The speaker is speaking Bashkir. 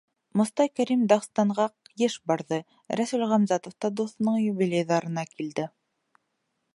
Мостай Кәрим Дағстанға йыш барҙы, Рәсүл Ғамзатов та дуҫының юбилейҙарына килде.